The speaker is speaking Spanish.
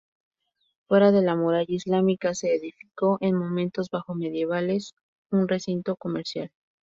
Fuera de la muralla islámica se edificó, en momentos bajo medievales, un recinto comercial.